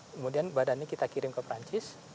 kemudian badannya kita kirim ke perancis